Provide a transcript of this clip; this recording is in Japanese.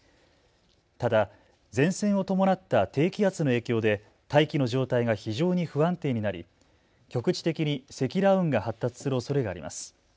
ただ前線を伴った低気圧の影響で大気の状態が非常に不安定になり局地的に積乱雲が発達するおそれがあります。